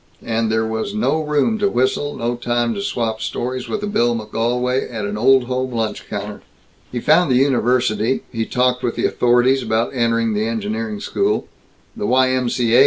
and there was no room to whistle, no time to swap stories with a Bill McGolwey at an Old Home lunch counter. He found the university; he talked with the authorities about entering the engineering school; the Y. M. C. A.